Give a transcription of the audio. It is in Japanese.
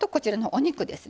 お肉です。